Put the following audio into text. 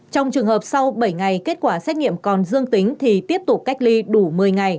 trong trường hợp sau bảy ngày kết quả xét nghiệm còn dương tính thì tiếp tục cách ly đủ một mươi ngày